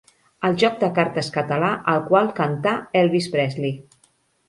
El joc de cartes català al qual cantà Elvis Presley.